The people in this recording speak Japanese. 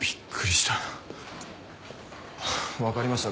わかりました。